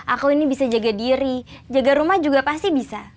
aku ini bisa jaga diri jaga rumah juga pasti bisa